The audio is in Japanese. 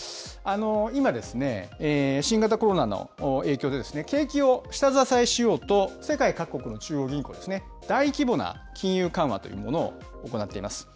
今、新型コロナの影響で、景気を下支えしようと、世界各国の中央銀行ですね、大規模な金融緩和というものを行っています。